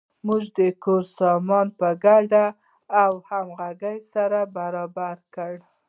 موږ د کور سامان په ګډه او همغږۍ سره برابر کړ.